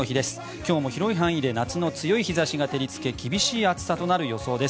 今日も広い範囲で夏の強い日差しが照りつけ厳しい暑さとなる予想です。